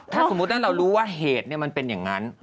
ถ้าสมมุติถ้าเรารู้ว่าเหตุมันเป็นอย่างนั้น